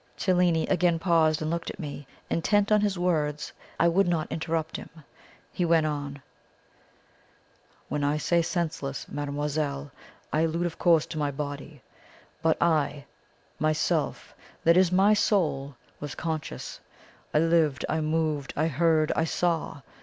Cellini again paused and looked at me. Intent on his words, I would not interrupt him. He went on: "When I say senseless, mademoiselle, I allude of course to my body. But I, myself that is, my soul was conscious; I lived, I moved, I heard, I saw.